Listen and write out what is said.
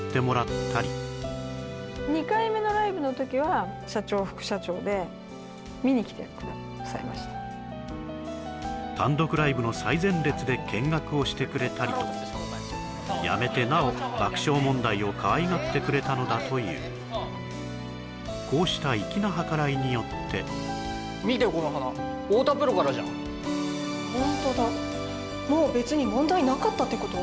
そしてその後ももう何かいうやつをもうに乗ってもらったり単独ライブの最前列で見学をしてくれたり辞めてなお爆笑問題をかわいがってくれたのだというこうした粋な計らいによって見てこの花太田プロからじゃんホントだもう別に問題なかったってこと？